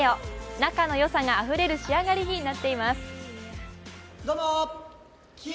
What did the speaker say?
仲の良さがあふれる仕上がりになっています。